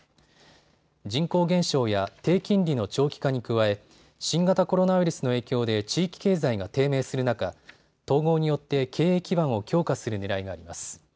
人口減少や低金利の長期化に加え新型コロナウイルスの影響で地域経済が低迷する中、統合によって経営基盤を強化するねらいがあります。